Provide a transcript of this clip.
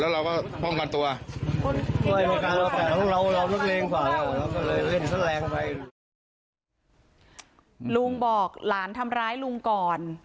ลุงบอกหลานทำร้ายลุงก่อน